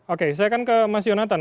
oke saya akan ke mas yonatan